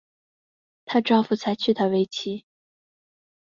她丈夫才娶她为妻